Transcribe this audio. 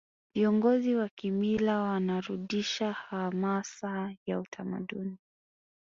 viongozi wa kimila warudisha hamasa ya utamaduni